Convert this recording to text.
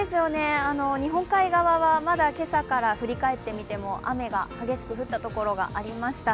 日本海側はまだ今朝から振り返ってみても雨が激しく降った所がありました。